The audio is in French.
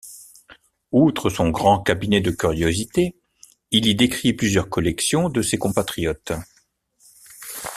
Outre son grand cabinet de curiosités, il y décrit plusieurs collections de ses compatriotes.